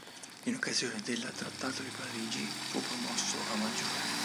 In occasione della Trattato di Parigi fu promosso a maggiore.